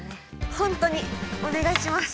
本当にお願いします。